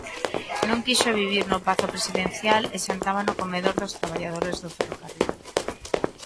Non quixo vivir no pazo presidencial e xantaba no comedor dos traballadores do ferrocarril.